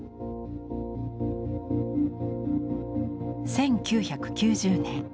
１９９０年。